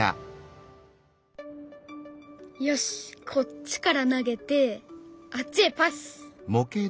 よしっこっちから投げてあっちへパス！